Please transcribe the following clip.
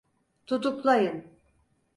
Tutuklayın!